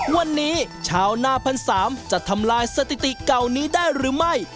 วันนี้ชาวหน้าพันสามจะทำลายสถิติเก่านี้ได้หรือไม่